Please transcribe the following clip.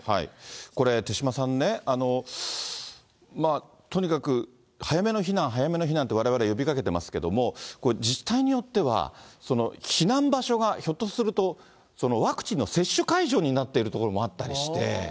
これ、手嶋さんね、とにかく早めの避難、早めの避難って、われわれ呼びかけていますけれども、自治体によっては避難場所が、ひょっとすると、ワクチンの接種会場になっている所もあったりして。